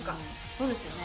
そうですよね。